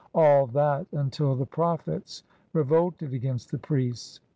197 all that, until the prophets revolted against the priests.